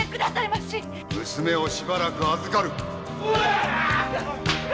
娘をしばらく預かる。